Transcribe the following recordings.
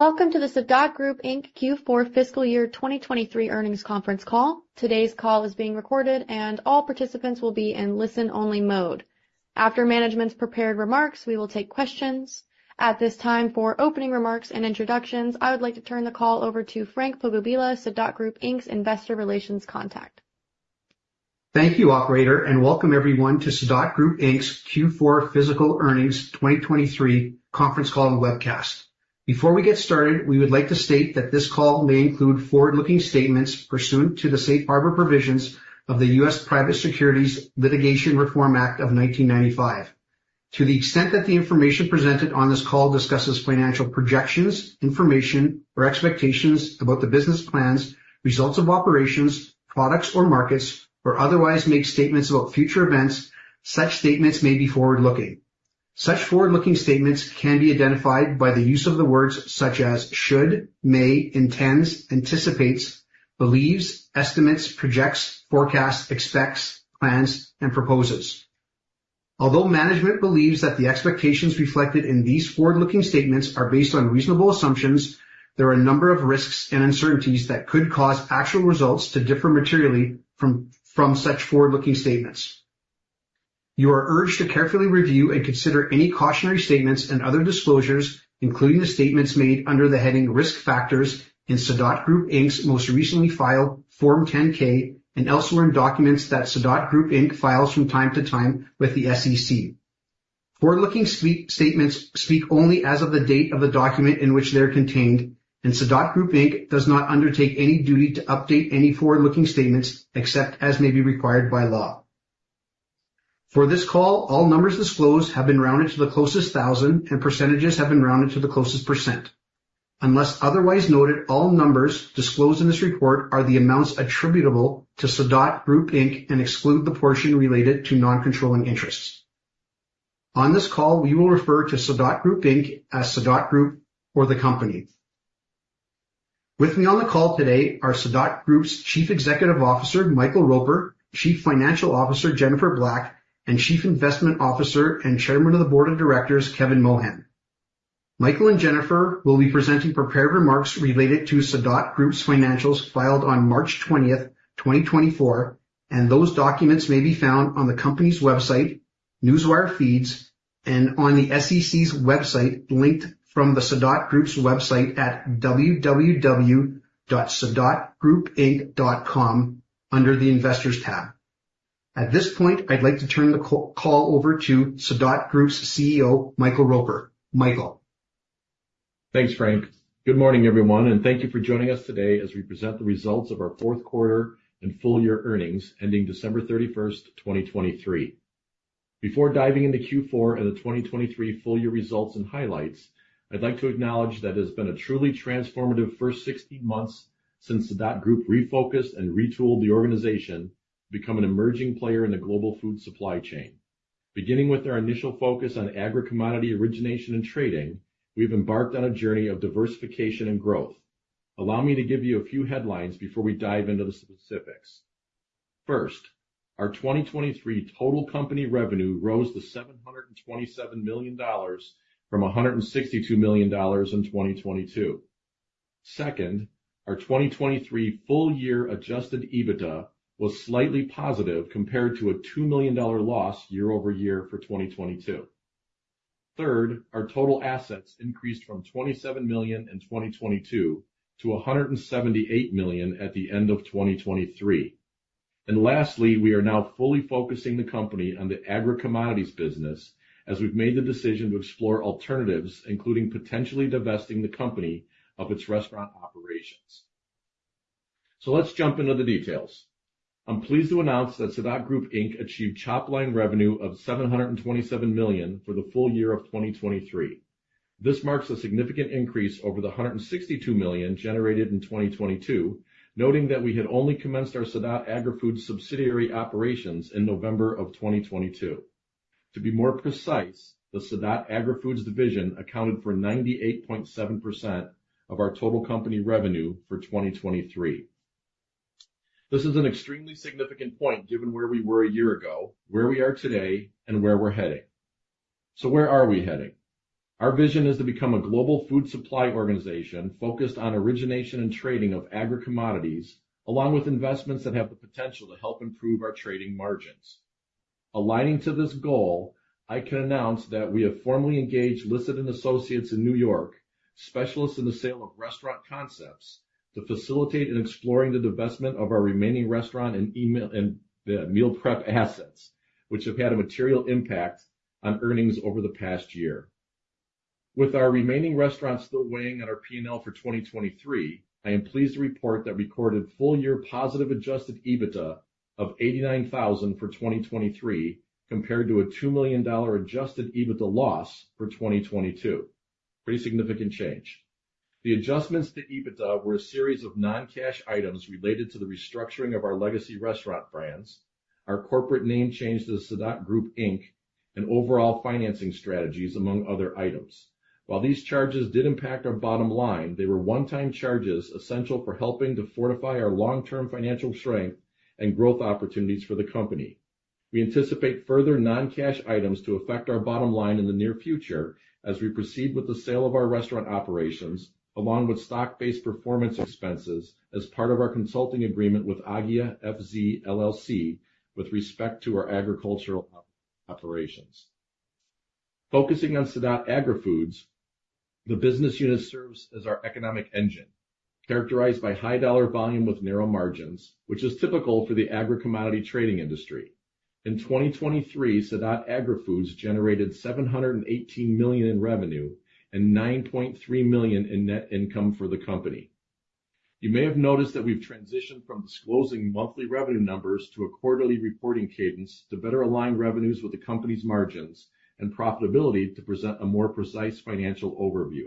Welcome to the Sadot Group Inc. Q4 fiscal year 2023 earnings conference call. Today's call is being recorded, and all participants will be in listen-only mode. After management's prepared remarks, we will take questions. At this time, for opening remarks and introductions, I would like to turn the call over to Frank Pogubila, Sadot Group Inc.'s investor relations contact. Thank you, operator, and welcome everyone to Sadot Group Inc.'s Q4 fiscal earnings 2023 conference call and webcast. Before we get started, we would like to state that this call may include forward-looking statements pursuant to the safe harbor provisions of the U.S. Private Securities Litigation Reform Act of 1995. To the extent that the information presented on this call discusses financial projections, information, or expectations about the business plans, results of operations, products, or markets, or otherwise makes statements about future events, such statements may be forward-looking. Such forward-looking statements can be identified by the use of the words such as should, may, intends, anticipates, believes, estimates, projects, forecasts, expects, plans, and proposes. Although management believes that the expectations reflected in these forward-looking statements are based on reasonable assumptions, there are a number of risks and uncertainties that could cause actual results to differ materially from such forward-looking statements. You are urged to carefully review and consider any cautionary statements and other disclosures, including the statements made under the heading Risk Factors in Sadot Group Inc.'s most recently filed Form 10-K and elsewhere in documents that Sadot Group Inc. files from time to time with the SEC. Forward-looking statements speak only as of the date of the document in which they are contained, and Sadot Group Inc. does not undertake any duty to update any forward-looking statements except as may be required by law. For this call, all numbers disclosed have been rounded to the closest thousand, and percentages have been rounded to the closest %. Unless otherwise noted, all numbers disclosed in this report are the amounts attributable to Sadot Group Inc. and exclude the portion related to non-controlling interests. On this call, we will refer to Sadot Group Inc. as Sadot Group or the company. With me on the call today are Sadot Group's Chief Executive Officer Michael Roper, Chief Financial Officer Jennifer Black, and Chief Investment Officer and Chairman of the Board of Directors Kevin Mohan. Michael and Jennifer will be presenting prepared remarks related to Sadot Group's financials filed on March 20, 2024, and those documents may be found on the company's website, Newswire feeds, and on the SEC's website linked from the Sadot Group's website at www.sadotgroupinc.com under the Investors tab. At this point, I'd like to turn the call over to Sadot Group's CEO Michael Roper. Michael. Thanks, Frank. Good morning, everyone, and thank you for joining us today as we present the results of our fourth quarter and full year earnings ending December 31, 2023. Before diving into Q4 and the 2023 full year results and highlights, I'd like to acknowledge that it has been a truly transformative first 16 months since Sadot Group refocused and retooled the organization to become an emerging player in the global food supply chain. Beginning with our initial focus on agrocommodity origination and trading, we've embarked on a journey of diversification and growth. Allow me to give you a few headlines before we dive into the specifics. First, our 2023 total company revenue rose to $727 million from $162 million in 2022. Second, our 2023 full year Adjusted EBITDA was slightly positive compared to a $2 million loss year-over-year for 2022. Third, our total assets increased from $27 million in 2022 to $178 million at the end of 2023. Lastly, we are now fully focusing the company on the agrocommodities business as we've made the decision to explore alternatives, including potentially divesting the company of its restaurant operations. Let's jump into the details. I'm pleased to announce that Sadot Group Inc. achieved topline revenue of $727 million for the full year of 2023. This marks a significant increase over the $162 million generated in 2022, noting that we had only commenced our Sadot Agrifoods subsidiary operations in November of 2022. To be more precise, the Sadot Agrifoods division accounted for 98.7% of our total company revenue for 2023. This is an extremely significant point given where we were a year ago, where we are today, and where we're heading. Where are we heading? Our vision is to become a global food supply organization focused on origination and trading of agrocommodities, along with investments that have the potential to help improve our trading margins. Aligning to this goal, I can announce that we have formally engaged Lisiten Associates in New York, specialists in the sale of restaurant concepts, to facilitate and explore the divestment of our remaining restaurant and meal prep assets, which have had a material impact on earnings over the past year. With our remaining restaurants still weighing on our P&L for 2023, I am pleased to report that we recorded full year positive adjusted EBITDA of $89,000 for 2023 compared to a $2 million adjusted EBITDA loss for 2022. Pretty significant change. The adjustments to EBITDA were a series of non-cash items related to the restructuring of our legacy restaurant brands, our corporate name change to Sadot Group Inc., and overall financing strategies, among other items. While these charges did impact our bottom line, they were one-time charges essential for helping to fortify our long-term financial strength and growth opportunities for the company. We anticipate further non-cash items to affect our bottom line in the near future as we proceed with the sale of our restaurant operations, along with stock-based performance expenses as part of our consulting agreement with Aggia LLC FZ with respect to our agricultural operations. Focusing on Sadot Agrifoods, the business unit serves as our economic engine, characterized by high dollar volume with narrow margins, which is typical for the agrocommodity trading industry. In 2023, Sadot Agrifoods generated $718 million in revenue and $9.3 million in net income for the company. You may have noticed that we've transitioned from disclosing monthly revenue numbers to a quarterly reporting cadence to better align revenues with the company's margins and profitability to present a more precise financial overview.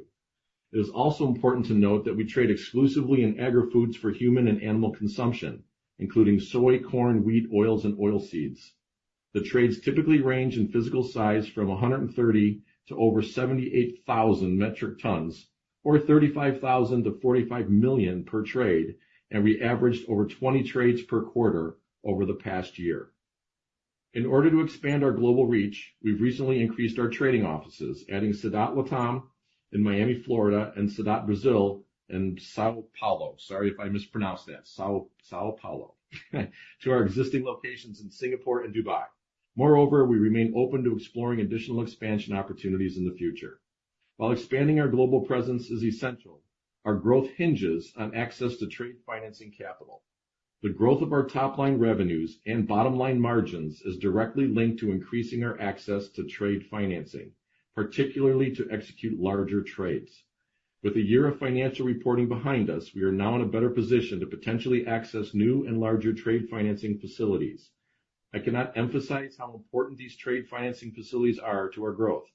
It is also important to note that we trade exclusively in agrifoods for human and animal consumption, including soy, corn, wheat, oils, and oilseeds. The trades typically range in physical size from 130 to over 78,000 metric tons, or $35,000 million-$45 million per trade, and we averaged over 20 trades per quarter over the past year. In order to expand our global reach, we've recently increased our trading offices, adding Sadot Latam in Miami, Florida, and Sadot Brasil in São Paulo, sorry if I mispronounced that, São Paulo to our existing locations in Singapore and Dubai. Moreover, we remain open to exploring additional expansion opportunities in the future. While expanding our global presence is essential, our growth hinges on access to trade financing capital. The growth of our top-line revenues and bottom-line margins is directly linked to increasing our access to trade financing, particularly to execute larger trades. With a year of financial reporting behind us, we are now in a better position to potentially access new and larger trade financing facilities. I cannot emphasize how important these trade financing facilities are to our growth.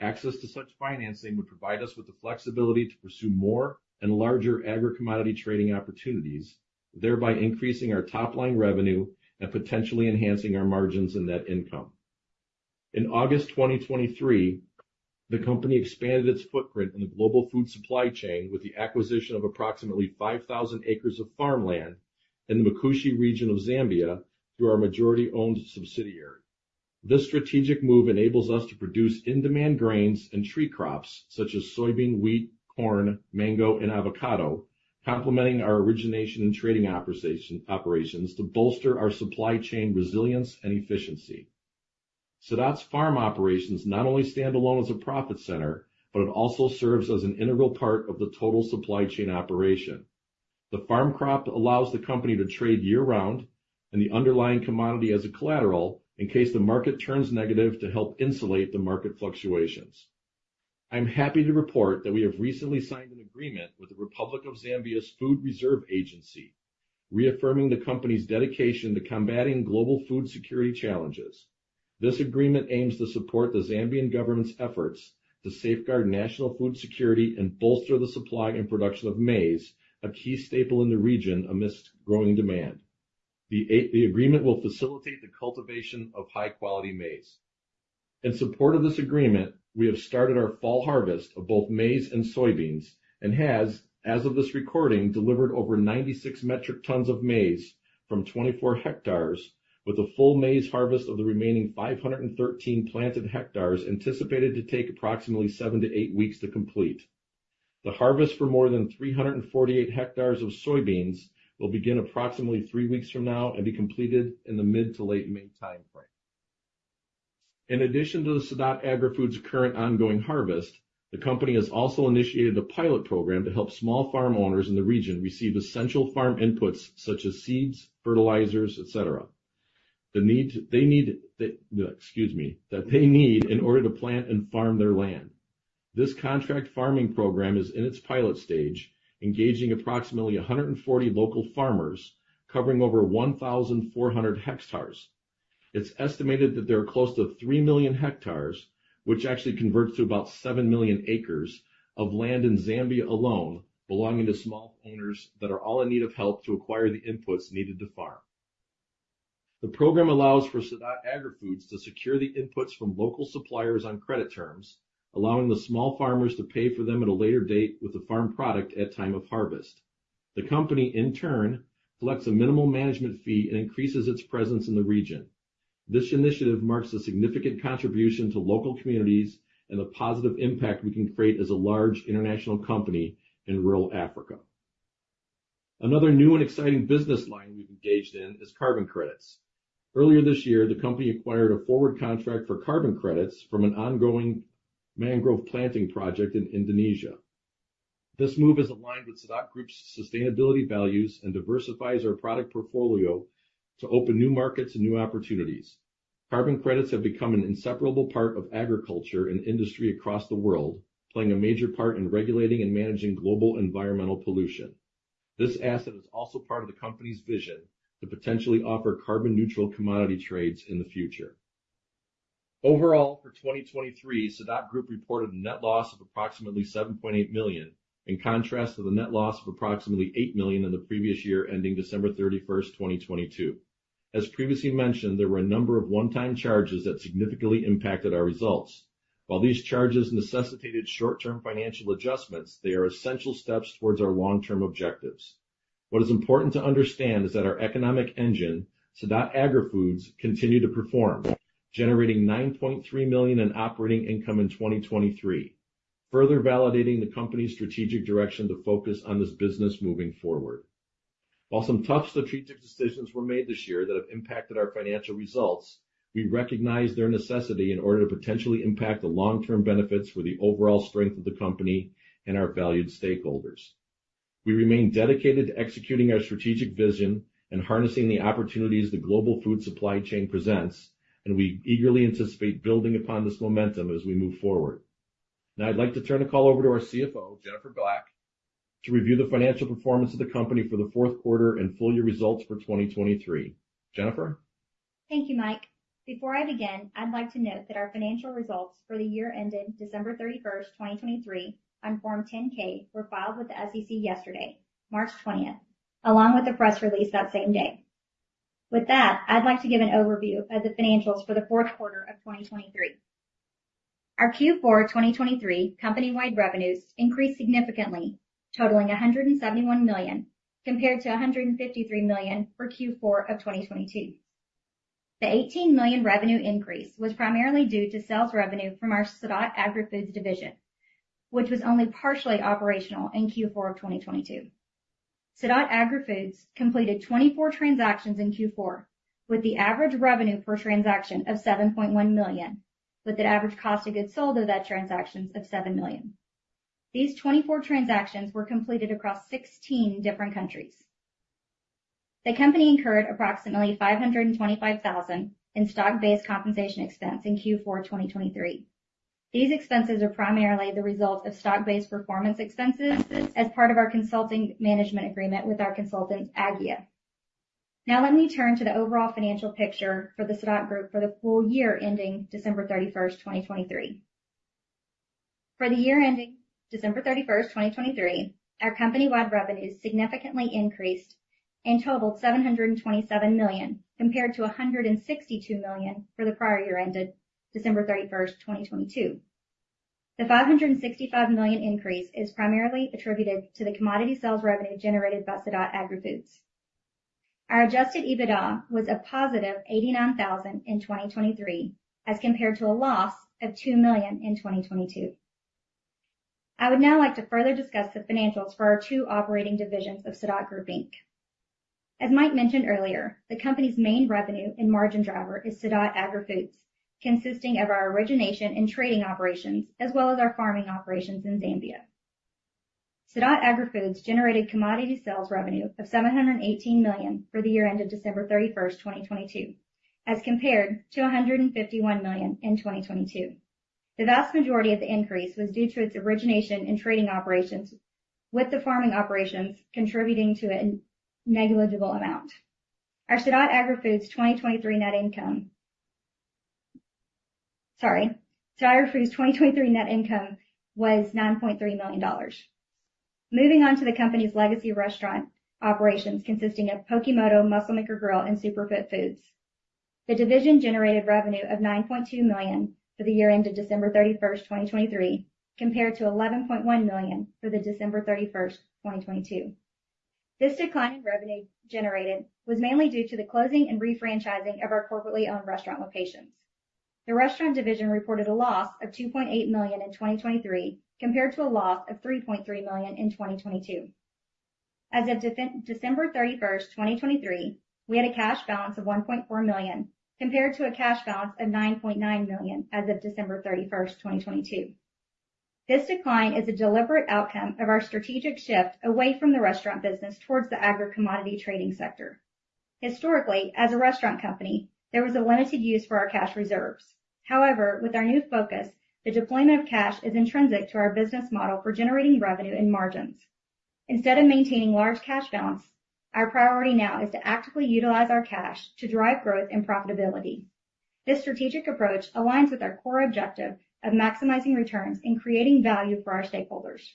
Access to such financing would provide us with the flexibility to pursue more and larger agrocommodity trading opportunities, thereby increasing our top-line revenue and potentially enhancing our margins and net income. In August 2023, the company expanded its footprint in the global food supply chain with the acquisition of approximately 5,000 acres of farmland in the Mkushi region of Zambia through our majority-owned subsidiary. This strategic move enables us to produce in-demand grains and tree crops such as soybean, wheat, corn, mango, and avocado, complementing our origination and trading operations to bolster our supply chain resilience and efficiency. Sadot's farm operations not only stand alone as a profit center but also serve as an integral part of the total supply chain operation. The farm crop allows the company to trade year-round and the underlying commodity as a collateral in case the market turns negative to help insulate the market fluctuations. I am happy to report that we have recently signed an agreement with the Republic of Zambia's Food Reserve Agency, reaffirming the company's dedication to combating global food security challenges. This agreement aims to support the Zambian government's efforts to safeguard national food security and bolster the supply and production of maize, a key staple in the region amidst growing demand. The agreement will facilitate the cultivation of high-quality maize. In support of this agreement, we have started our fall harvest of both maize and soybeans and has, as of this recording, delivered over 96 metric tons of maize from 24 hectares, with a full maize harvest of the remaining 513 planted hectares anticipated to take approximately seven to eight weeks to complete. The harvest for more than 348 hectares of soybeans will begin approximately three weeks from now and be completed in the mid to late May timeframe. In addition to the Sadot Agrifoods' current ongoing harvest, the company has also initiated a pilot program to help small farm owners in the region receive essential farm inputs such as seeds, fertilizers, etc., that they need, excuse me, that they need in order to plant and farm their land. This contract farming program is in its pilot stage, engaging approximately 140 local farmers covering over 1,400 hectares. It's estimated that there are close to 3 million hectares, which actually converts to about 7 million acres of land in Zambia alone belonging to small owners that are all in need of help to acquire the inputs needed to farm. The program allows for Sadot Agrifoods to secure the inputs from local suppliers on credit terms, allowing the small farmers to pay for them at a later date with the farm product at time of harvest. The company, in turn, collects a minimal management fee and increases its presence in the region. This initiative marks a significant contribution to local communities and the positive impact we can create as a large international company in rural Africa. Another new and exciting business line we've engaged in is carbon credits. Earlier this year, the company acquired a forward contract for carbon credits from an ongoing mangrove planting project in Indonesia. This move is aligned with Sadot Group's sustainability values and diversifies our product portfolio to open new markets and new opportunities. Carbon credits have become an inseparable part of agriculture and industry across the world, playing a major part in regulating and managing global environmental pollution. This asset is also part of the company's vision to potentially offer carbon-neutral commodity trades in the future. Overall, for 2023, Sadot Group reported a net loss of approximately $7.8 million, in contrast to the net loss of approximately $8 million in the previous year ending December 31, 2022. As previously mentioned, there were a number of one-time charges that significantly impacted our results. While these charges necessitated short-term financial adjustments, they are essential steps towards our long-term objectives. What is important to understand is that our economic engine, Sadot Agrifoods, continued to perform, generating $9.3 million in operating income in 2023, further validating the company's strategic direction to focus on this business moving forward. While some tough strategic decisions were made this year that have impacted our financial results, we recognize their necessity in order to potentially impact the long-term benefits for the overall strength of the company and our valued stakeholders. We remain dedicated to executing our strategic vision and harnessing the opportunities the global food supply chain presents, and we eagerly anticipate building upon this momentum as we move forward. Now, I'd like to turn the call over to our CFO, Jennifer Black, to review the financial performance of the company for the fourth quarter and full year results for 2023. Jennifer? Thank you, Mike. Before I begin, I'd like to note that our financial results for the year ending December 31, 2023, on Form 10-K, were filed with the SEC yesterday, March 20th, along with a press release that same day. With that, I'd like to give an overview of the financials for the fourth quarter of 2023. Our Q4 of 2023 company-wide revenues increased significantly, totaling $171 million, compared to $153 million for Q4 of 2022. The $18 million revenue increase was primarily due to sales revenue from our Sadot Agrifoods division, which was only partially operational in Q4 of 2022. Sadot Agrifoods completed 24 transactions in Q4, with the average revenue per transaction of $7.1 million, with the average cost of goods sold of that transaction of $7 million. These 24 transactions were completed across 16 different countries. The company incurred approximately $525,000 in stock-based compensation expense in Q4 of 2023. These expenses are primarily the result of stock-based performance expenses as part of our consulting management agreement with our consultant, Aggia. Now, let me turn to the overall financial picture for the Sadot Group for the full year ending December 31, 2023. For the year ending December 31, 2023, our company-wide revenues significantly increased and totaled $727 million, compared to $162 million for the prior year ended December 31, 2022. The $565 million increase is primarily attributed to the commodity sales revenue generated by Sadot Agrifoods. Our Adjusted EBITDA was a positive $89,000 in 2023, as compared to a loss of $2 million in 2022. I would now like to further discuss the financials for our two operating divisions of Sadot Group Inc. As Mike mentioned earlier, the company's main revenue and margin driver is Sadot Agrifoods, consisting of our origination and trading operations as well as our farming operations in Zambia. Sadot Agrifoods generated commodity sales revenue of $718 million for the year ended December 31, 2022, as compared to $151 million in 2022. The vast majority of the increase was due to its origination and trading operations, with the farming operations contributing to a negligible amount. Sadot Agrifoods' 2023 net income was $9.3 million. Moving on to the company's legacy restaurant operations, consisting of Pokemoto Muscle Maker Grill and Superfit Foods, the division generated revenue of $9.2 million for the year ended December 31, 2023, compared to $11.1 million for December 31, 2022. This decline in revenue generated was mainly due to the closing and refranchising of our corporately owned restaurant locations. The restaurant division reported a loss of $2.8 million in 2023, compared to a loss of $3.3 million in 2022. As of December 31, 2023, we had a cash balance of $1.4 million, compared to a cash balance of $9.9 million as of December 31, 2022. This decline is a deliberate outcome of our strategic shift away from the restaurant business towards the agrocommodity trading sector. Historically, as a restaurant company, there was a limited use for our cash reserves. However, with our new focus, the deployment of cash is intrinsic to our business model for generating revenue and margins. Instead of maintaining large cash balances, our priority now is to actively utilize our cash to drive growth and profitability. This strategic approach aligns with our core objective of maximizing returns and creating value for our stakeholders.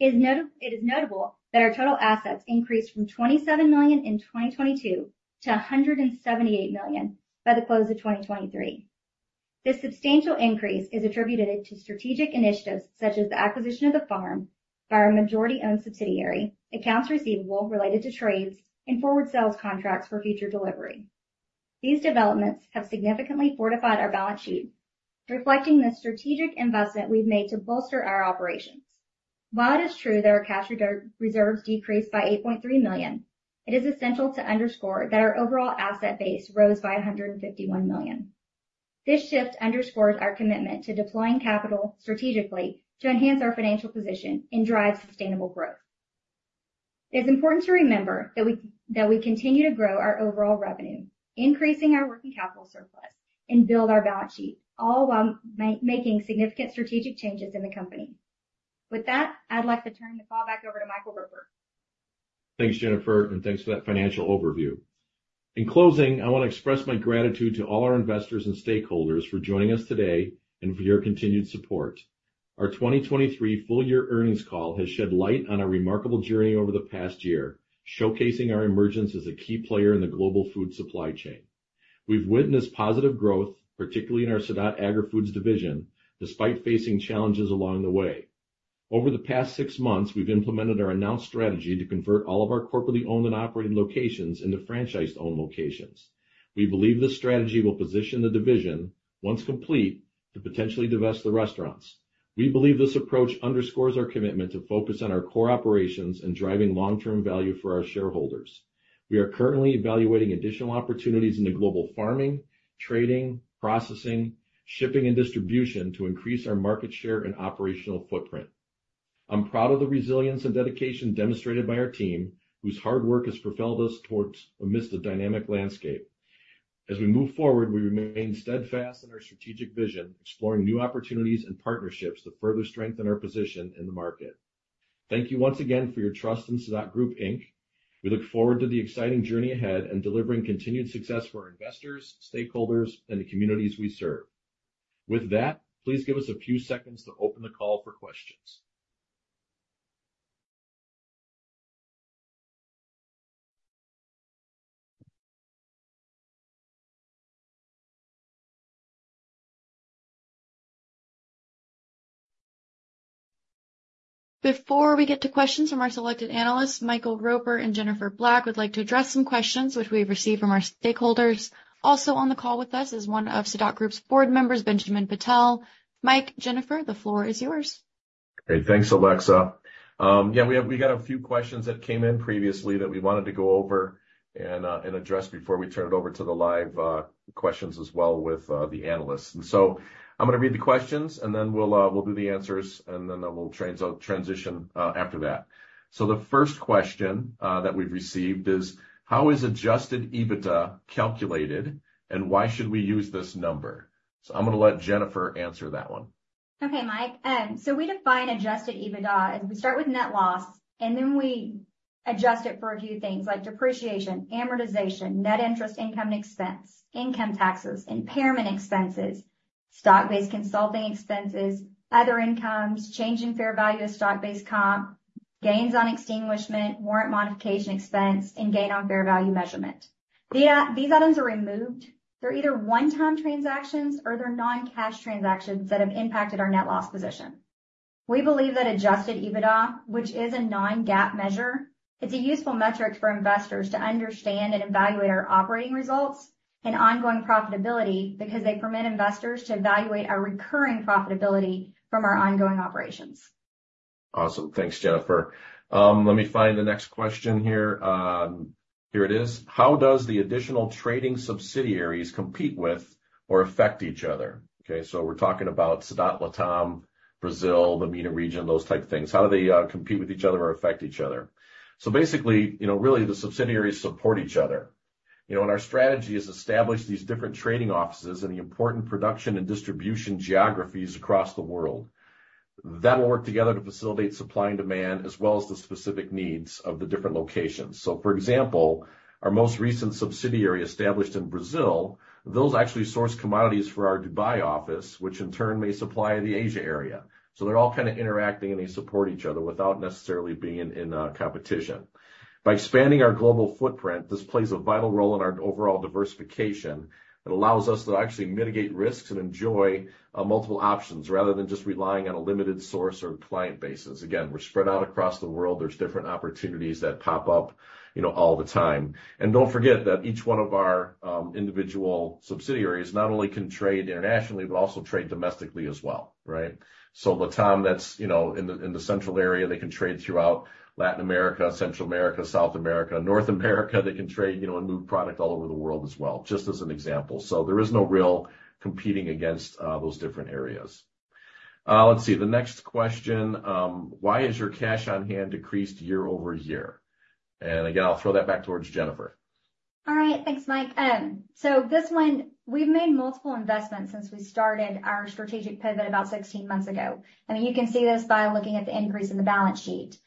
It is notable that our total assets increased from $27 million in 2022 to $178 million by the close of 2023. This substantial increase is attributed to strategic initiatives such as the acquisition of the farm by our majority-owned subsidiary, accounts receivable related to trades, and forward sales contracts for future delivery. These developments have significantly fortified our balance sheet, reflecting the strategic investment we've made to bolster our operations. While it is true that our cash reserves decreased by $8.3 million, it is essential to underscore that our overall asset base rose by $151 million. This shift underscores our commitment to deploying capital strategically to enhance our financial position and drive sustainable growth. It is important to remember that we continue to grow our overall revenue, increasing our working capital surplus, and build our balance sheet, all while making significant strategic changes in the company. With that, I'd like to turn the call back over to Michael Roper. Thanks, Jennifer, and thanks for that financial overview. In closing, I want to express my gratitude to all our investors and stakeholders for joining us today and for your continued support. Our 2023 full year earnings call has shed light on our remarkable journey over the past year, showcasing our emergence as a key player in the global food supply chain. We've witnessed positive growth, particularly in our Sadot Agrifoods division, despite facing challenges along the way. Over the past six months, we've implemented our announced strategy to convert all of our corporately owned and operated locations into franchised-owned locations. We believe this strategy will position the division, once complete, to potentially divest the restaurants. We believe this approach underscores our commitment to focus on our core operations and driving long-term value for our shareholders. We are currently evaluating additional opportunities in the global farming, trading, processing, shipping, and distribution to increase our market share and operational footprint. I'm proud of the resilience and dedication demonstrated by our team, whose hard work has propelled us towards amidst a dynamic landscape. As we move forward, we remain steadfast in our strategic vision, exploring new opportunities and partnerships to further strengthen our position in the market. Thank you once again for your trust in Sadot Group Inc. We look forward to the exciting journey ahead and delivering continued success for our investors, stakeholders, and the communities we serve. With that, please give us a few seconds to open the call for questions. Before we get to questions from our selected analysts, Michael Roper and Jennifer Black would like to address some questions which we've received from our stakeholders. Also on the call with us is one of Sadot Group's board members, Benjamin Petel. Mike, Jennifer, the floor is yours. Great. Thanks, Alexa. Yeah, we got a few questions that came in previously that we wanted to go over and address before we turn it over to the live questions as well with the analysts. And so I'm going to read the questions, and then we'll do the answers, and then we'll transition after that. So the first question that we've received is, "How is Adjusted EBITDA calculated, and why should we use this number?" So I'm going to let Jennifer answer that one. Okay, Mike. We define Adjusted EBITDA as we start with net loss, and then we adjust it for a few things like depreciation, amortization, net interest income and expense, income taxes, impairment expenses, stock-based consulting expenses, other incomes, change in fair value of stock-based comp, gains on extinguishment, warrant modification expense, and gain on fair value measurement. These items are removed. They're either one-time transactions or they're non-cash transactions that have impacted our net loss position. We believe that Adjusted EBITDA, which is a non-GAAP measure, it's a useful metric for investors to understand and evaluate our operating results and ongoing profitability because they permit investors to evaluate our recurring profitability from our ongoing operations. Awesome. Thanks, Jennifer. Let me find the next question here. Here it is. "How does the additional trading subsidiaries compete with or affect each other?" Okay, so we're talking about Sadot Latam, Brazil, the MENA region, those type things. How do they compete with each other or affect each other? So basically, really, the subsidiaries support each other. Our strategy is to establish these different trading offices in the important production and distribution geographies across the world. That will work together to facilitate supply and demand as well as the specific needs of the different locations. So for example, our most recent subsidiary established in Brazil, those actually source commodities for our Dubai office, which in turn may supply the Asia area. So they're all kind of interacting, and they support each other without necessarily being in competition. By expanding our global footprint, this plays a vital role in our overall diversification. It allows us to actually mitigate risks and enjoy multiple options rather than just relying on a limited source or client basis. Again, we're spread out across the world. There's different opportunities that pop up all the time. And don't forget that each one of our individual subsidiaries not only can trade internationally but also trade domestically as well, right? So Latam, that's in the central area. They can trade throughout Latin America, Central America, South America. North America, they can trade and move product all over the world as well, just as an example. So there is no real competing against those different areas. Let's see. The next question, "Why has your cash on hand decreased year-over-year?" And again, I'll throw that back towards Jennifer. All right. Thanks, Mike. So this one, we've made multiple investments since we started our strategic pivot about 16 months ago. You can see this by looking at the increase in the balance sheet.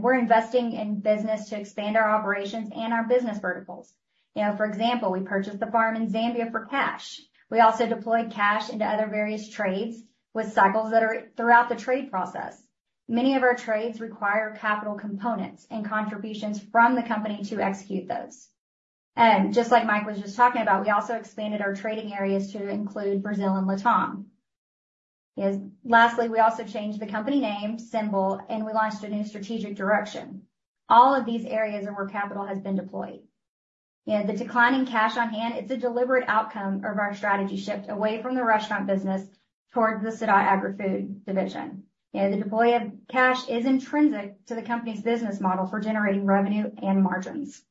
We're investing in business to expand our operations and our business verticals. For example, we purchased the farm in Zambia for cash. We also deployed cash into other various trades with cycles that are throughout the trade process. Many of our trades require capital components and contributions from the company to execute those. And just like Mike was just talking about, we also expanded our trading areas to include Brazil and Latam. Lastly, we also changed the company name, symbol, and we launched a new strategic direction. All of these areas are where capital has been deployed. The declining cash on hand, it's a deliberate outcome of our strategy shift away from the restaurant business towards the Sadot Agrifoods division. The deployment of cash is intrinsic to the company's business model for generating revenue and margins.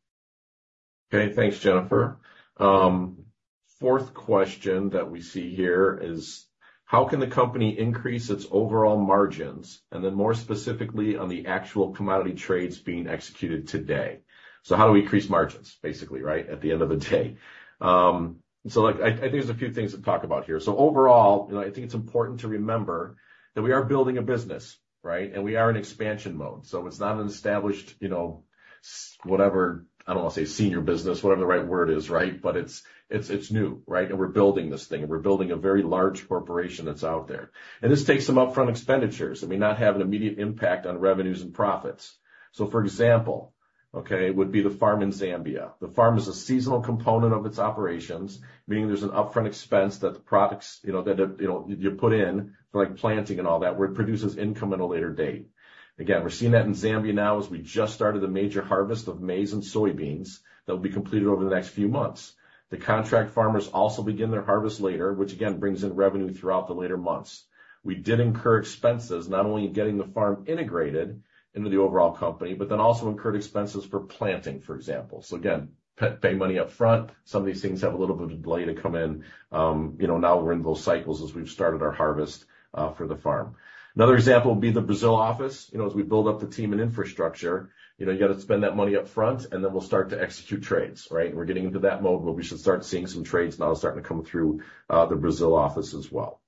Okay. Thanks, Jennifer. Fourth question that we see here is, "How can the company increase its overall margins, and then more specifically on the actual commodity trades being executed today?" So how do we increase margins, basically, right, at the end of the day? So I think there's a few things to talk about here. So overall, I think it's important to remember that we are building a business, right, and we are in expansion mode. So it's not an established whatever I don't want to say senior business, whatever the right word is, right, but it's new, right, and we're building this thing, and we're building a very large corporation that's out there. And this takes some upfront expenditures, I mean, not having immediate impact on revenues and profits. So for example, okay, it would be the farm in Zambia. The farm is a seasonal component of its operations, meaning there's an upfront expense that the products that you put in for planting and all that, where it produces income at a later date. Again, we're seeing that in Zambia now as we just started the major harvest of maize and soybeans that will be completed over the next few months. The contract farmers also begin their harvest later, which again brings in revenue throughout the later months. We did incur expenses not only in getting the farm integrated into the overall company, but then also incurred expenses for planting, for example. So again, pay money upfront. Some of these things have a little bit of delay to come in. Now we're in those cycles as we've started our harvest for the farm. Another example would be the Brazil office. As we build up the team and infrastructure, you got to spend that money upfront, and then we'll start to execute trades, right? And we're getting into that mode where we should start seeing some trades now starting to come through the Brazil office as well.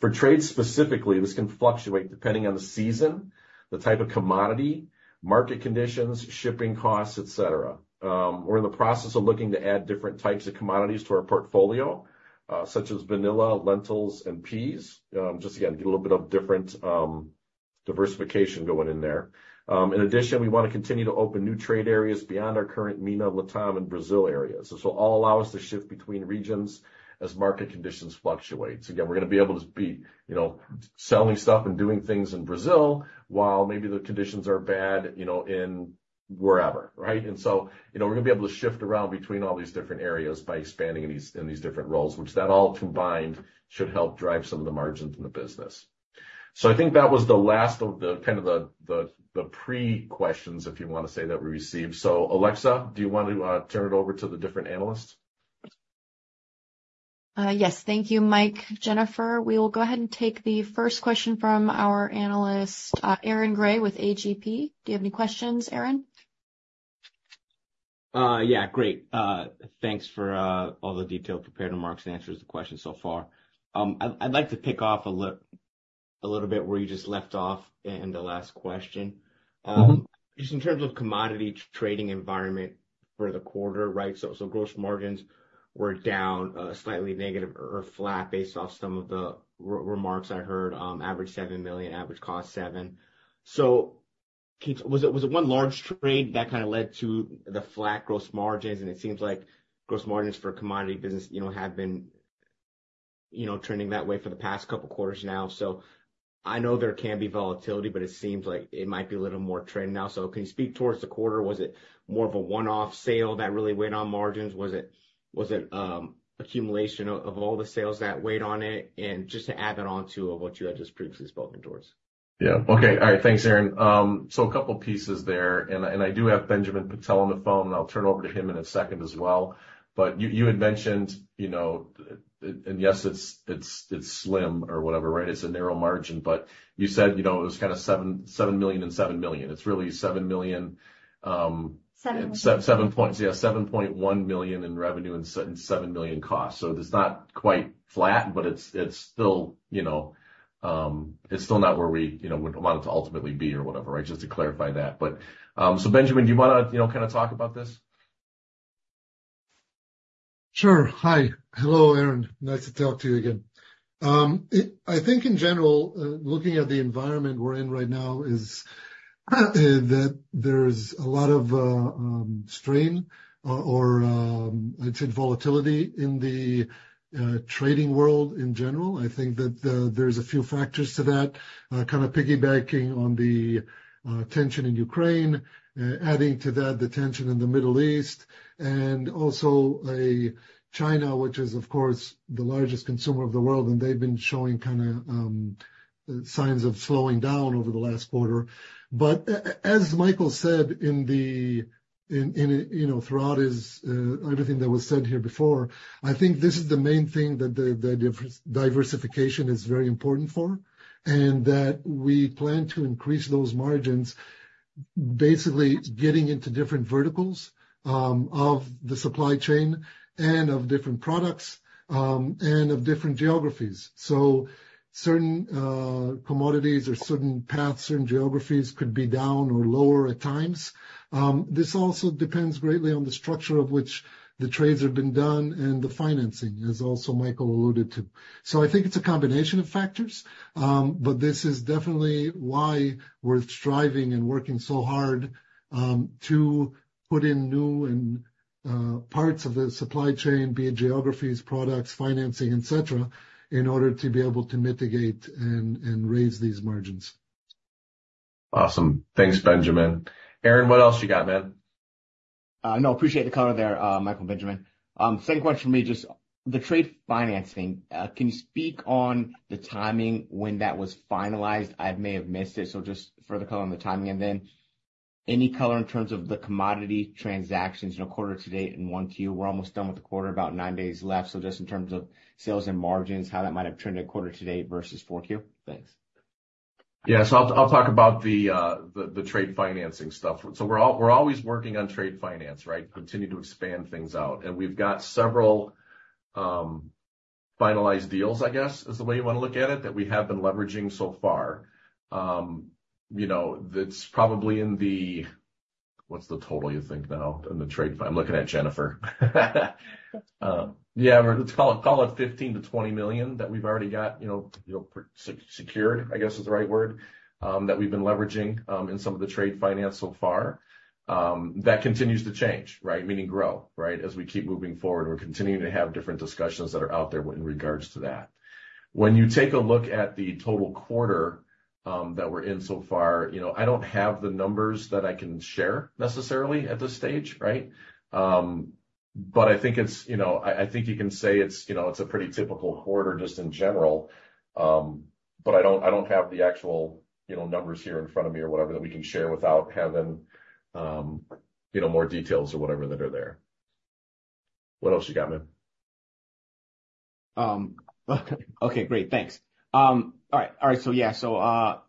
For trades specifically, this can fluctuate depending on the season, the type of commodity, market conditions, shipping costs, etc. We're in the process of looking to add different types of commodities to our portfolio, such as vanilla, lentils, and peas. Just again, get a little bit of different diversification going in there. In addition, we want to continue to open new trade areas beyond our current MENA, Latam, and Brazil areas. This will all allow us to shift between regions as market conditions fluctuate. So again, we're going to be able to be selling stuff and doing things in Brazil while maybe the conditions are bad wherever, right? And so we're going to be able to shift around between all these different areas by expanding in these different roles, which that all combined should help drive some of the margins in the business. So I think that was the last of the kind of the pre-questions, if you want to say, that we received. So Alexa, do you want to turn it over to the different analysts? Yes. Thank you, Mike. Jennifer, we will go ahead and take the first question from our analyst, Aaron Grey with AGP. Do you have any questions, Aaron? Yeah. Great. Thanks for all the details, prepared remarks, and answers to the questions so far. I'd like to pick up a little bit where you just left off in the last question. Just in terms of commodity trading environment for the quarter, right, so gross margins were down slightly negative or flat based off some of the remarks I heard, average $7 million, average cost $7. So was it one large trade that kind of led to the flat gross margins? And it seems like gross margins for commodity business have been trending that way for the past couple of quarters now. So I know there can be volatility, but it seems like it might be a little more trend now. So can you speak towards the quarter? Was it more of a one-off sale that really weighed on margins? Was it accumulation of all the sales that weighed on it? Just to add that onto what you had just previously spoken towards. Yeah. Okay. All right. Thanks, Aaron. So a couple of pieces there. I do have Benjamin Petel on the phone, and I'll turn over to him in a second as well. You had mentioned and yes, it's slim or whatever, right? It's a narrow margin, but you said it was kind of $7 million and $7 million. It's really $7 million. 7.1. 7 points. Yeah, $7.1 million in revenue and $7 million cost. So it's not quite flat, but it's still not where we would want it to ultimately be or whatever, right, just to clarify that. So Benjamin, do you want to kind of talk about this? Sure. Hi. Hello, Aaron. Nice to talk to you again. I think, in general, looking at the environment we're in right now is that there's a lot of strain or, I'd say, volatility in the trading world in general. I think that there's a few factors to that, kind of piggybacking on the tension in Ukraine, adding to that the tension in the Middle East, and also China, which is, of course, the largest consumer of the world, and they've been showing kind of signs of slowing down over the last quarter. But as Michael said throughout everything that was said here before, I think this is the main thing that diversification is very important for and that we plan to increase those margins, basically getting into different verticals of the supply chain and of different products and of different geographies. So certain commodities or certain paths, certain geographies could be down or lower at times. This also depends greatly on the structure of which the trades have been done and the financing, as also Michael alluded to. So I think it's a combination of factors, but this is definitely why we're striving and working so hard to put in new parts of the supply chain, be it geographies, products, financing, etc., in order to be able to mitigate and raise these margins. Awesome. Thanks, Benjamin. Aaron, what else you got, man? No, appreciate the color there, Michael and Benjamin. Same question for me, just the trade financing. Can you speak on the timing when that was finalized? I may have missed it. So just further color on the timing and then any color in terms of the commodity transactions, quarter to date in 1Q? We're almost done with the quarter, about nine days left. So just in terms of sales and margins, how that might have trended quarter to date versus 4Q? Thanks. Yeah. So I'll talk about the trade financing stuff. So we're always working on trade finance, right, continue to expand things out. And we've got several finalized deals, I guess, is the way you want to look at it, that we have been leveraging so far. It's probably in the what's the total you think now in the trade? I'm looking at Jennifer. Yeah, let's call it $15 million-$20 million that we've already got secured, I guess is the right word, that we've been leveraging in some of the trade finance so far that continues to change, right, meaning grow, right, as we keep moving forward. We're continuing to have different discussions that are out there in regards to that. When you take a look at the total quarter that we're in so far, I don't have the numbers that I can share necessarily at this stage, right? But I think you can say it's a pretty typical quarter just in general, but I don't have the actual numbers here in front of me or whatever that we can share without having more details or whatever that are there. What else you got, man? Okay. Great. Thanks. All right. All right. So yeah. So I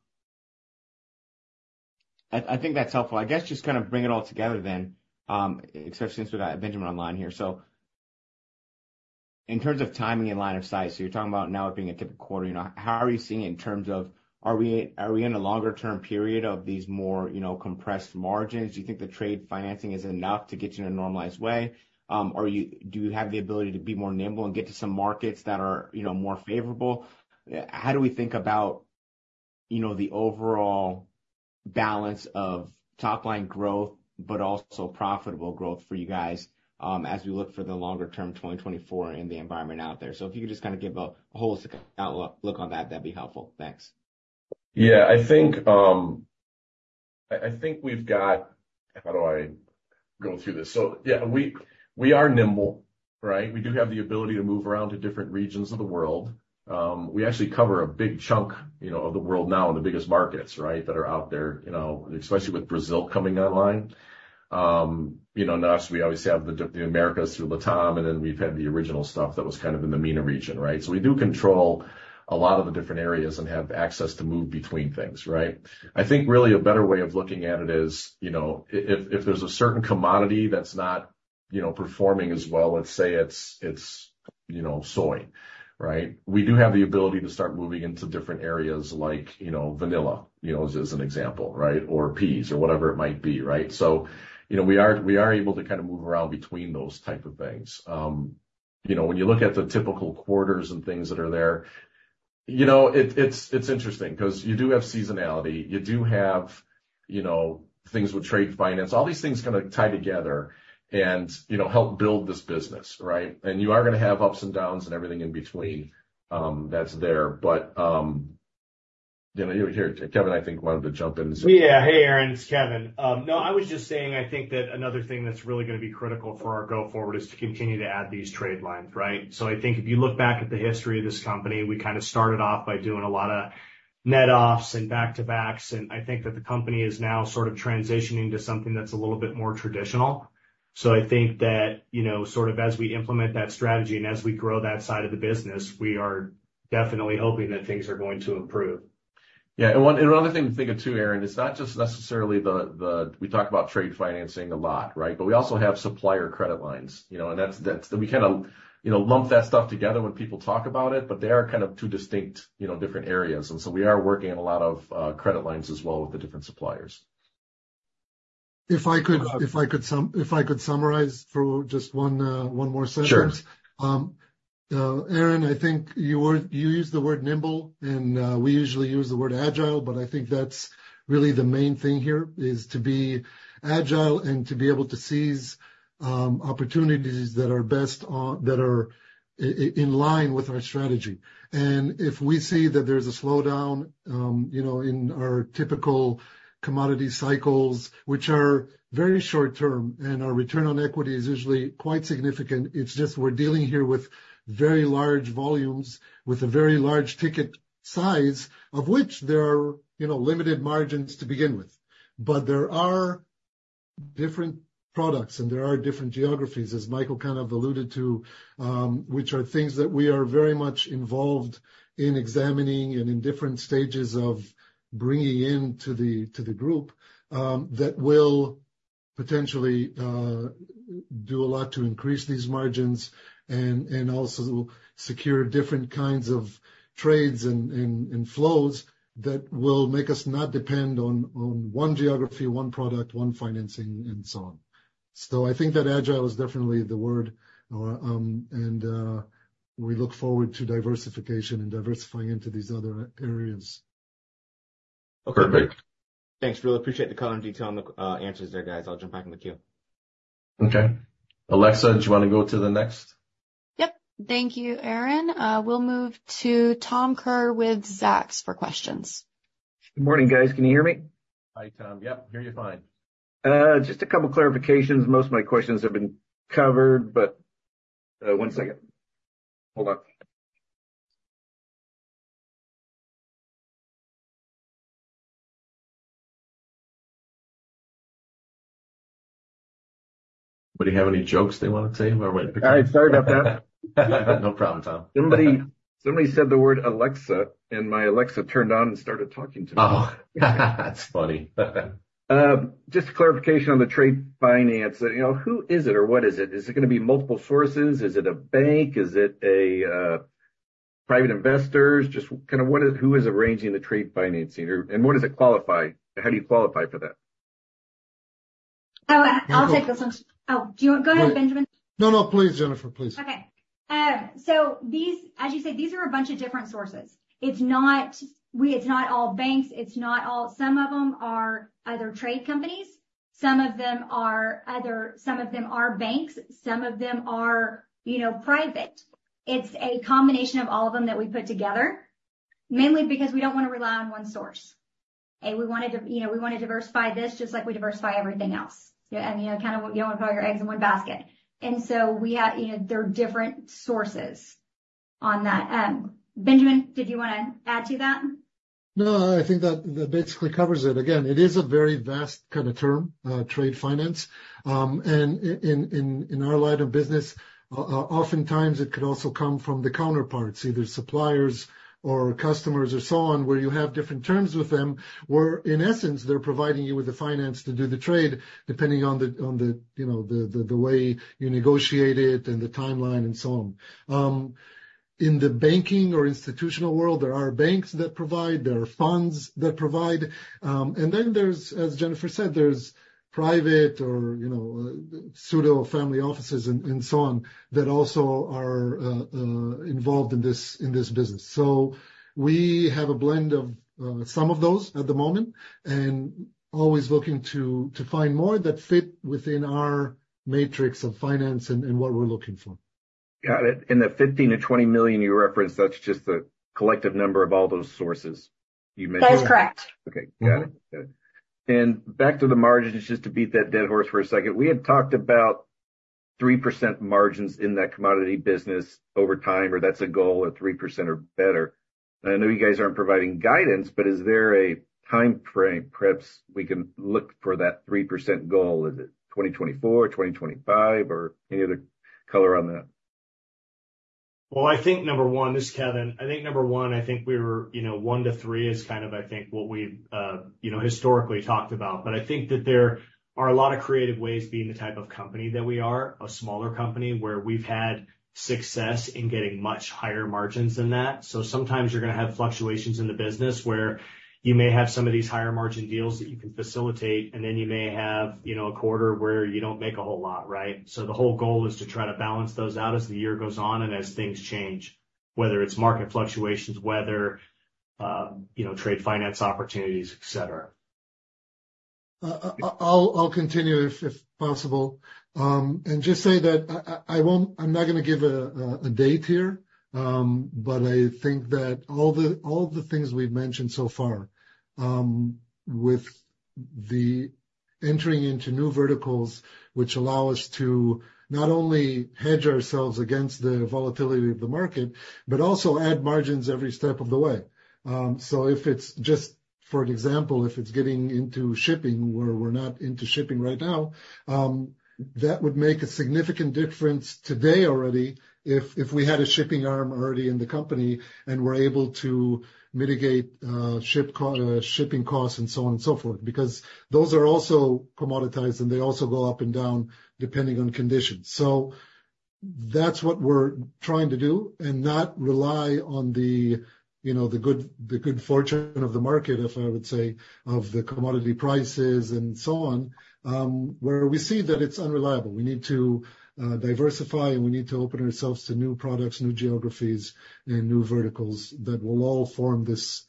think that's helpful. I guess just kind of bring it all together then, especially since we got Benjamin online here. So in terms of timing and line of sight, so you're talking about now it being a typical quarter. How are you seeing it in terms of are we in a longer-term period of these more compressed margins? Do you think the trade financing is enough to get you in a normalized way? Do you have the ability to be more nimble and get to some markets that are more favorable? How do we think about the overall balance of top-line growth but also profitable growth for you guys as we look for the longer-term 2024 and the environment out there? So if you could just kind of give a holistic outlook on that, that'd be helpful. Thanks. Yeah. I think we've got how do I go through this? So yeah, we are nimble, right? We do have the ability to move around to different regions of the world. We actually cover a big chunk of the world now in the biggest markets, right, that are out there, especially with Brazil coming online. On this side, we obviously have the Americas through Latam, and then we've had the original stuff that was kind of in the MENA region, right? So we do control a lot of the different areas and have access to move between things, right? I think really a better way of looking at it is if there's a certain commodity that's not performing as well, let's say it's soy, right? We do have the ability to start moving into different areas like vanilla as an example, right, or peas or whatever it might be, right? So we are able to kind of move around between those type of things. When you look at the typical quarters and things that are there, it's interesting because you do have seasonality. You do have things with trade finance, all these things kind of tie together and help build this business, right? And you are going to have ups and downs and everything in between that's there. But here, Kevin, I think wanted to jump in and say. Yeah. Hey, Aaron. It's Kevin. No, I was just saying I think that another thing that's really going to be critical for our go-forward is to continue to add these trade lines, right? So I think if you look back at the history of this company, we kind of started off by doing a lot of net-offs and back-to-backs. And I think that the company is now sort of transitioning to something that's a little bit more traditional. So I think that sort of as we implement that strategy and as we grow that side of the business, we are definitely hoping that things are going to improve. Yeah. Another thing to think of too, Aaron, it's not just necessarily the we talk about trade financing a lot, right? But we also have supplier credit lines. We kind of lump that stuff together when people talk about it, but they are kind of two distinct different areas. We are working in a lot of credit lines as well with the different suppliers. If I could summarize through just one more sentence. Aaron, I think you used the word nimble, and we usually use the word agile, but I think that's really the main thing here, is to be agile and to be able to seize opportunities that are best that are in line with our strategy. And if we see that there's a slowdown in our typical commodity cycles, which are very short-term and our return on equity is usually quite significant, it's just we're dealing here with very large volumes with a very large ticket size of which there are limited margins to begin with. But there are different products, and there are different geographies, as Michael kind of alluded to, which are things that we are very much involved in examining and in different stages of bringing into the group that will potentially do a lot to increase these margins and also secure different kinds of trades and flows that will make us not depend on one geography, one product, one financing, and so on. So I think that agile is definitely the word, and we look forward to diversification and diversifying into these other areas. Okay. Perfect. Thanks. Really appreciate the color and detail on the answers there, guys. I'll jump back in the queue. Okay. Alexa, do you want to go to the next? Yep. Thank you, Aaron. We'll move to Tom Kerr with Zacks for questions. Good morning, guys. Can you hear me? Hi, Tom. Yep. Hear you fine. Just a couple of clarifications. Most of my questions have been covered, but one second. Hold on. What do you have? Any jokes they want to say? All right. Sorry about that. No problem, Tom. Somebody said the word Alexa, and my Alexa turned on and started talking to me. Oh, that's funny. Just a clarification on the trade finance. Who is it or what is it? Is it going to be multiple sources? Is it a bank? Is it private investors? Just kind of who is arranging the trade financing? What does it qualify? How do you qualify for that? Oh, I'll take this one. Oh, do you want to go ahead, Benjamin? No, no, please, Jennifer. Please. Okay. So as you said, these are a bunch of different sources. It's not all banks. It's not all; some of them are other trade companies. Some of them are other; some of them are banks. Some of them are private. It's a combination of all of them that we put together, mainly because we don't want to rely on one source. We want to diversify this just like we diversify everything else. And kind of you don't want to put all your eggs in one basket. And so we have; they're different sources on that. Benjamin, did you want to add to that? No, I think that basically covers it. Again, it is a very vast kind of term, trade finance. And in our line of business, oftentimes, it could also come from the counterparts, either suppliers or customers or so on, where you have different terms with them where, in essence, they're providing you with the finance to do the trade depending on the way you negotiate it and the timeline and so on. In the banking or institutional world, there are banks that provide. There are funds that provide. And then there's, as Jennifer said, there's private or pseudo-family offices and so on that also are involved in this business. So we have a blend of some of those at the moment and always looking to find more that fit within our matrix of finance and what we're looking for. Got it. The $15-20 million you referenced, that's just the collective number of all those sources you mentioned? That is correct. Okay. Got it. Got it. And back to the margins, just to beat that dead horse for a second, we had talked about 3% margins in that commodity business over time, or that's a goal of 3% or better. I know you guys aren't providing guidance, but is there a timeframe perhaps we can look for that 3% goal? Is it 2024, 2025, or any other color on that? Well, I think number one, this is Kevin. I think number one, I think we were 1-3 is kind of, I think, what we've historically talked about. But I think that there are a lot of creative ways being the type of company that we are, a smaller company where we've had success in getting much higher margins than that. So sometimes you're going to have fluctuations in the business where you may have some of these higher-margin deals that you can facilitate, and then you may have a quarter where you don't make a whole lot, right? So the whole goal is to try to balance those out as the year goes on and as things change, whether it's market fluctuations, whether trade finance opportunities, etc. I'll continue if possible. Just say that I'm not going to give a date here, but I think that all the things we've mentioned so far with entering into new verticals, which allow us to not only hedge ourselves against the volatility of the market but also add margins every step of the way. So if it's just, for example, if it's getting into shipping where we're not into shipping right now, that would make a significant difference today already if we had a shipping arm already in the company and were able to mitigate shipping costs and so on and so forth because those are also commoditized, and they also go up and down depending on conditions. That's what we're trying to do and not rely on the good fortune of the market, if I would say, of the commodity prices and so on, where we see that it's unreliable. We need to diversify, and we need to open ourselves to new products, new geographies, and new verticals that will all form this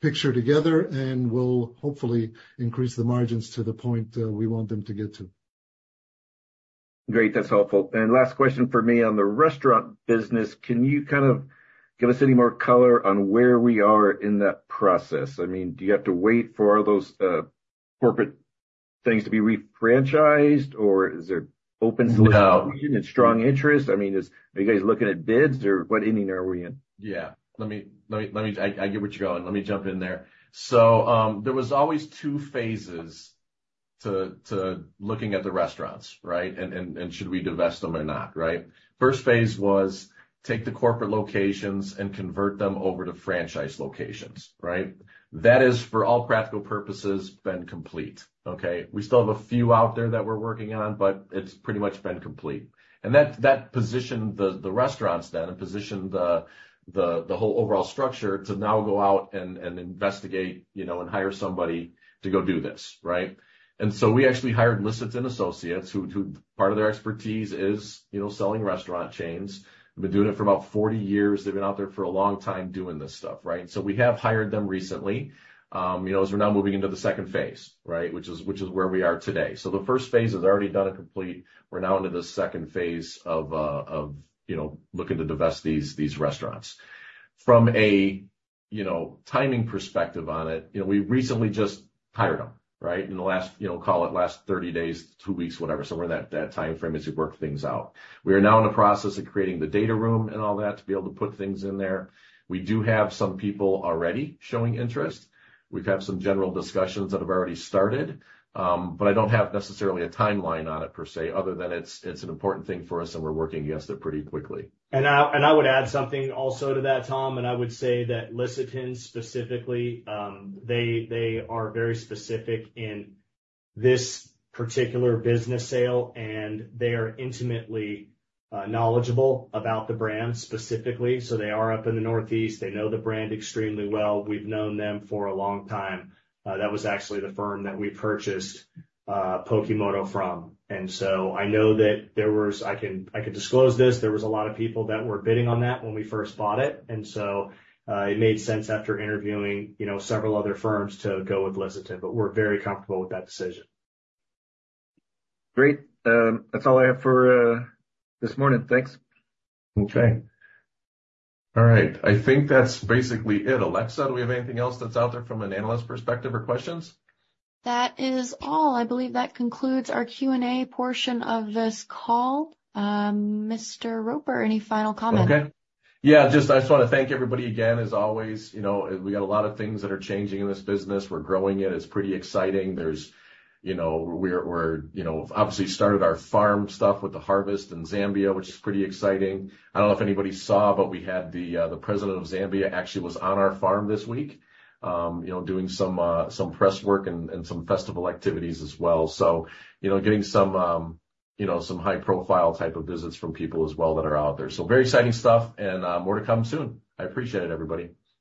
picture together and will hopefully increase the margins to the point we want them to get to. Great. That's helpful. And last question for me on the restaurant business. Can you kind of give us any more color on where we are in that process? I mean, do you have to wait for all those corporate things to be refranchised, or is there open solicitation and strong interest? I mean, are you guys looking at bids, or what inning are we in? Yeah. Let me. I get what you're going. Let me jump in there. So there was always two phases to looking at the restaurants, right, and should we divest them or not, right? First phase was take the corporate locations and convert them over to franchise locations, right? That is, for all practical purposes, been complete, okay? We still have a few out there that we're working on, but it's pretty much been complete. And that positioned the restaurants then and positioned the whole overall structure to now go out and investigate and hire somebody to go do this, right? And so we actually hired Lisiten Associates who part of their expertise is selling restaurant chains. They've been doing it for about 40 years. They've been out there for a long time doing this stuff, right? So we have hired them recently as we're now moving into the second phase, right, which is where we are today. The first phase is already done and complete. We're now into the second phase of looking to divest these restaurants. From a timing perspective on it, we recently just hired them, right, in the last call it last 30 days, two weeks, whatever. So we're in that timeframe as we work things out. We are now in the process of creating the data room and all that to be able to put things in there. We do have some people already showing interest. We've had some general discussions that have already started, but I don't have necessarily a timeline on it per se other than it's an important thing for us, and we're working against it pretty quickly. I would add something also to that, Tom. I would say that Lisiten specifically, they are very specific in this particular business sale, and they are intimately knowledgeable about the brand specifically. So they are up in the Northeast. They know the brand extremely well. We've known them for a long time. That was actually the firm that we purchased Pokemoto from. And so I know that there was. I can disclose this. There was a lot of people that were bidding on that when we first bought it. And so it made sense after interviewing several other firms to go with Lisiten, but we're very comfortable with that decision. Great. That's all I have for this morning. Thanks. Okay. All right. I think that's basically it. Alexa, do we have anything else that's out there from an analyst perspective or questions? That is all. I believe that concludes our Q&A portion of this call. Mr. Roper, any final comments? Okay. Yeah. Just, I just want to thank everybody again, as always. We got a lot of things that are changing in this business. We're growing it. It's pretty exciting. We've obviously started our farm stuff with the harvest in Zambia, which is pretty exciting. I don't know if anybody saw, but we had the president of Zambia actually was on our farm this week doing some press work and some festival activities as well. So getting some high-profile type of visits from people as well that are out there. So very exciting stuff, and more to come soon. I appreciate it, everybody.